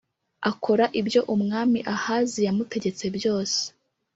Akora ibyo umwami ahazi yamutegetse byose